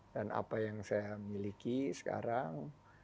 dan apa yang saya miliki sekarang